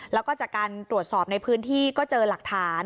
แล้วก็จากการตรวจสอบในพื้นที่ก็เจอหลักฐาน